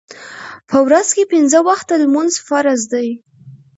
په ورځ کې پینځه وخته لمونځ فرض دی.